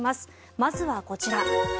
まずは、こちら。